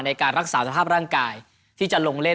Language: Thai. ในการรักษาสภาพร่างกายที่จะลงเล่น